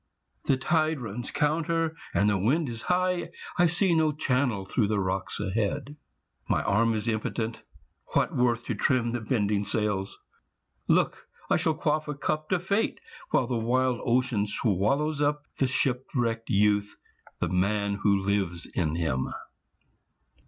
The tide runs counter, and the wind is high; I see no channel through the rocks ahead. My arm is impotent; what worth to trim The bending sails! Look, I shall quaff a cup To Fate, while the wild ocean swallows up The shipwrecked youth, the man who lives in him."